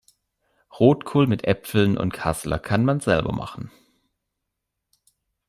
Rotkohl mit Äpfeln und Kassler kann man selber machen.